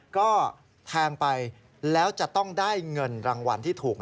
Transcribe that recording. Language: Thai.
ก็แทงไปแล้วจะต้องได้เงินรางวัลที่ถูก